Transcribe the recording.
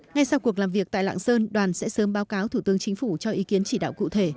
ngay sau cuộc làm việc tại lạng sơn đoàn sẽ sớm báo cáo thủ tướng chính phủ cho ý kiến chỉ đạo cụ thể